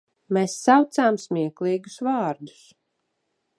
Mēs saucām smieklīgus vārdus.